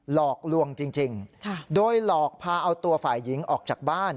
หลอกลวงจริงโดยหลอกพาเอาตัวฝ่ายหญิงออกจากบ้าน